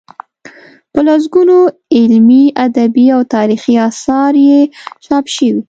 په لسګونو علمي، ادبي او تاریخي اثار یې چاپ شوي.